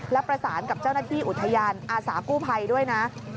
และประสานกับเจ้าหน้าที่อุทยานอาสากู้ภัยด้วยนะ